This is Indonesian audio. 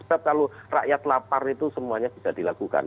tetap kalau rakyat lapar itu semuanya bisa dilakukan